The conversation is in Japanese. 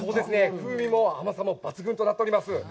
風味も甘さも抜群となっております。